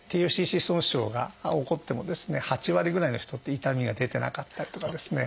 ＴＦＣＣ損傷が起こってもですね８割ぐらいの人って痛みが出てなかったりとかですね。